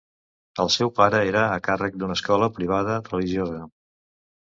El seu pare era a càrrec d'una escola privada religiosa.